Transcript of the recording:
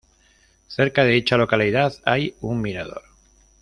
Cerca de dicha localidad hay un mirador.